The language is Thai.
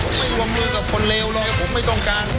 ผมไม่รวมมือกับคนเลวเลยผมไม่ต้องการ